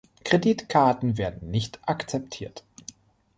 Kreditkarten werden nicht akzeptiert.